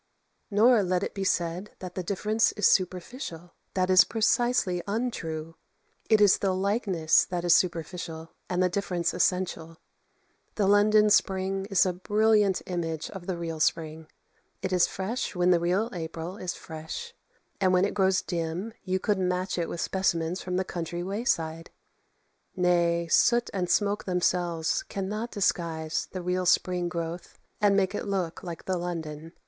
Nor let it be said that the difference is superficial. That is precisely untrue; it is the likeness that is superficial, and the difference essential. The London spring is a brilliant image of the real spring. It is fresh when the real April is fresh; and when it grows dim you could match it with specimens from the country wayside. Nay, soot and smoke themselves cannot disguise the real spring growth and make it look like the London.